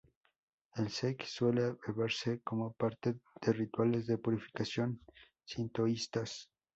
El sake suele beberse como parte de rituales de purificación sintoístas.